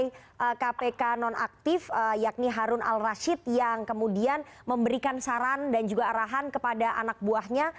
bapak ali ini adalah informasi dari kpk non aktif yakni harun al rashid yang kemudian memberikan saran dan juga arahan kepada anak buahnya